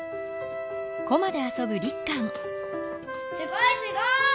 すごいすごい！